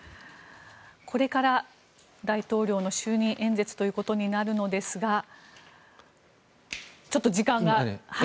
これから大統領の就任演説ということになるのですがちょっと時間が。